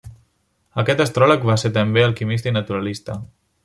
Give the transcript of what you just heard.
Aquest astròleg va ser també alquimista i naturalista.